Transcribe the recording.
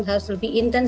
harus lebih intens